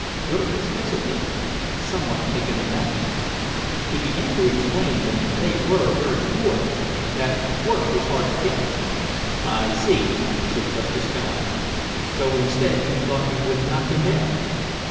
Jurgis hesitated, somewhat taken aback; he began to explain that they were very poor—that work was hard to get— "I see," said Justice Callahan; "so instead you thought you would knock him down."